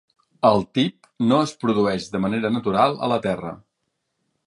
El TiB no es produeix de manera natural a la terra.